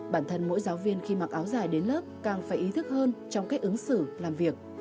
bản thân mỗi giáo viên khi mặc áo dài đến lớp càng phải ý thức hơn trong cách ứng xử làm việc